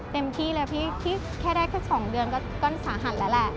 เต็มที่เลยพี่แค่ได้แค่๒เดือนก็สาหัสแล้วแหละ